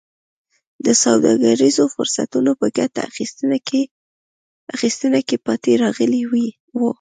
د سوداګریزو فرصتونو په ګټه اخیستنه کې پاتې راغلي وو.